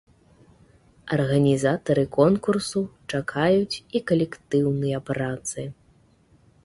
Арганізатары конкурсу чакаюць і калектыўныя працы!